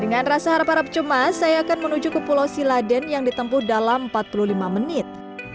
dengan rasa harap harap cemas saya akan menuju ke pulau siladen yang ditempuh dalam empat puluh lima menit